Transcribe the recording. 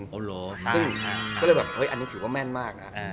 ก็เลยแบบอันนี้ถือว่าแม่นมากนะ